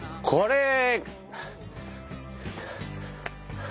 これ。